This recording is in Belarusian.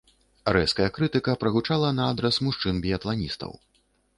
Рэзкая крытыка прагучала на адрас мужчын-біятланістаў.